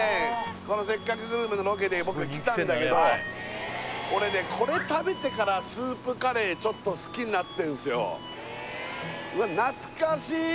この「せっかくグルメ！！」のロケで僕来たんだけど俺ねこれ食べてからスープカレーちょっと好きになってんすよ